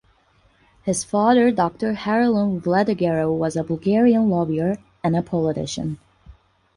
His father Doctor Haralan Vladigerov was a Bulgarian lawyer and a politician.